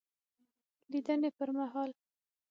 دلیدني پر مهال